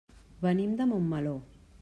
Venim de Montmeló.